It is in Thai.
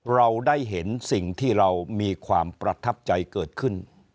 เราได้เห็นสิ่งที่เรามีความประทับใจเกิดขึ้น